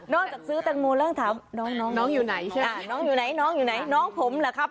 นอกจากซื้อแต่งโมร้านถามน้องน้องอยู่ไหนน้องผมเหรอครับ